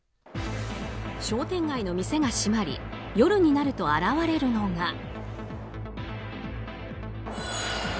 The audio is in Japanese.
商店街の店が閉まり夜になると現れるのが。